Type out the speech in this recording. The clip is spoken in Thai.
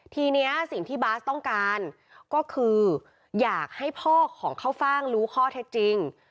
ทีนี้สิ่งที่บาสต้องการก็คืออยากให้พ่อของข้าวฟ่างรู้ข้อเท็จจริง